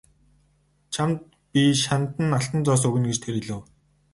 Чамд би шанд нь алтан зоос өгнө гэж тэр хэлэв.